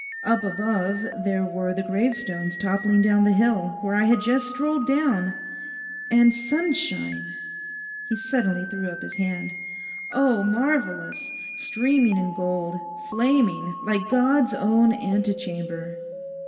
Up above there were the gravestones toppling down the hill, where I had just strolled down, and sunshine!' He suddenly threw up his hand. 'Oh, marvellous! streaming in gold—flaming, like God's own ante chamber.